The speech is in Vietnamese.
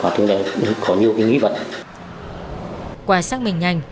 thì quá trình